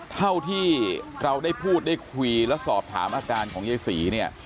เท่าที่เราได้พูดได้คุยและสอบถามอาการของยายศรีเนี่ย